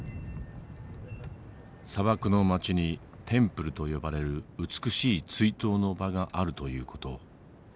砂漠の街にテンプルと呼ばれる美しい追悼の場があるという事。